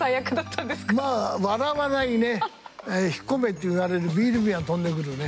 まあ笑わないね引っ込めって言われるビール瓶は飛んでくるね。